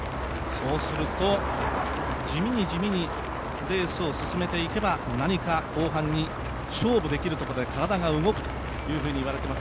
そうすると地味に地味にレースを進めていけば、何か後半に勝負できるところで体が動くというふうにいわれています。